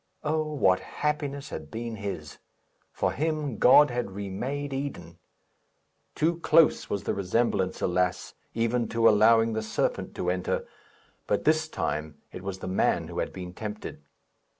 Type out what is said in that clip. Oh, what happiness had been his! For him God had remade Eden. Too close was the resemblance, alas! even to allowing the serpent to enter; but this time it was the man who had been tempted.